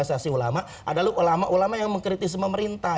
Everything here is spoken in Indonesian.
ada ulama ulama yang mengkritisi pemerintah